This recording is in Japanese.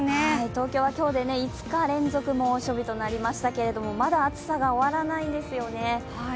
東京は今日で５日連続の猛暑日となりましたけどもまだ暑さが終わらないんですよね。